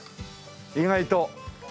意外と。